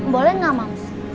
boleh enggak moms